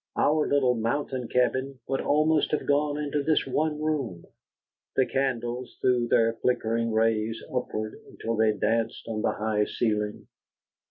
Our little mountain cabin would almost have gone into this one room. The candles threw their flickering rays upward until they danced on the high ceiling.